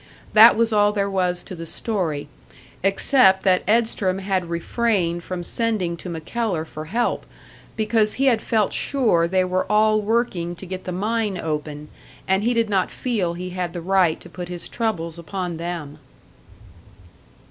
That was all there was to the story except that Edstrom had refrained from sending to MacKellar for help, because he had felt sure they were all working to get the mine open, and he did not feel he had the right to put his troubles upon them.